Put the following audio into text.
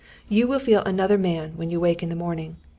You will feel another man, when you wake in the morning.